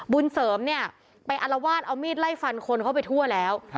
บุญเสริมเนี่ยไปอลวาดเอามีดไล่ฟันคนเข้าไปทั่วแล้ว